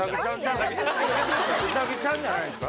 うさぎちゃんじゃないんですか？